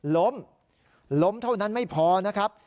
ล้มล้มเท่านั้นไม่พอนะครับ